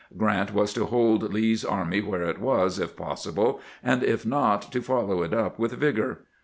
Grant was to hold Lee's army where it was, if possible, and if not to follow it up with vigor.